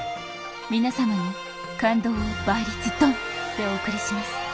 皆様に感動を「倍率ドン！」でお送りします。